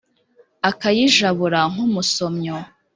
akayijabura nk'umusomyo